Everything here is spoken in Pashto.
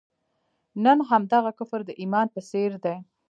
نن همدغه کفر د ایمان په څېر دی.